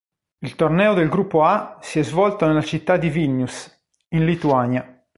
Il torneo del Gruppo A si è svolto nella città di Vilnius, in Lituania.